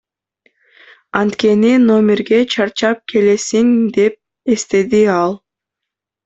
Анткени номерге чарчап келесиң, — деп эстеди ал.